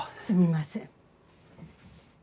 すみません。